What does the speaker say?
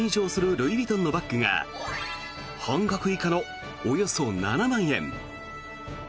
ルイ・ヴィトンのバッグが半額以下のおよそ７万円。